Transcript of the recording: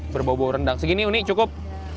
berbau bau rendang segini unik cukup